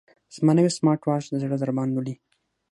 زما نوی سمارټ واچ د زړه ضربان لولي.